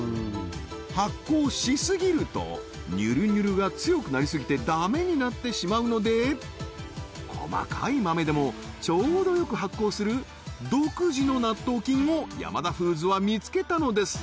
発酵しすぎるとにゅるにゅるが強くなりすぎてダメになってしまうので細かい豆でもちょうどよく発酵する独自の納豆菌をヤマダフーズは見つけたのです